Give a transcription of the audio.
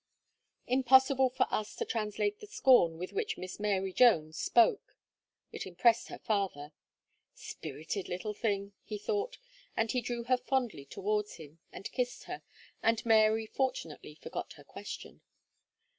Impossible for us to translate the scorn with which Miss Mary Jones spoke. It impressed her father. "Spirited little thing," he thought, and he drew her fondly towards him, and kissed her, and Mary fortunately forgot her question.